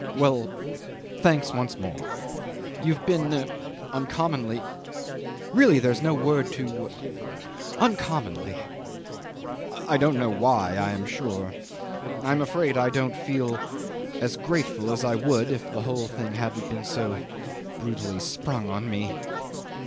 '"Well. Thanks once more. You've been er uncommonly really there's no word to ... Uncommonly! I don't know why, I am sure. I am afraid I don't feel as grateful as I would if the whole thing hadn't been so brutally sprung on me.